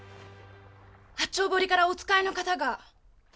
八丁堀からお使いの方が。